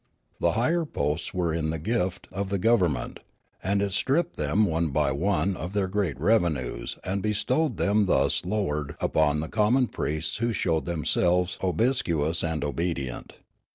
The higher posts were in the gift of the gov ernment ; and it stripped them one by one of their great revenues and bestowed them thus lowered upon the common priests who showed themselves obsequious and obedient.